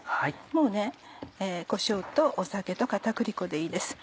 もうこしょうと酒と片栗粉でいいです。